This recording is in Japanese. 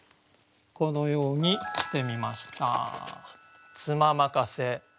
このようにしてみました。